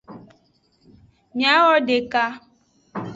Miwodeka.